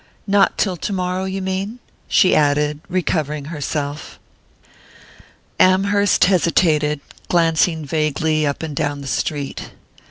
"Not till tomorrow, you mean?" she added, recovering herself. Amherst hesitated, glancing vaguely up and down the street.